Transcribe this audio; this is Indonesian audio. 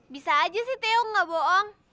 bisa aja sih theo gak bohong